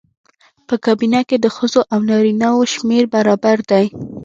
په کابینه کې د ښځو او نارینه وو شمېر برابر دی.